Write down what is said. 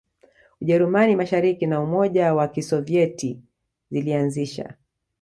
Ujerumani Mashariki na Umoja wa Kisovyeti zilianzisha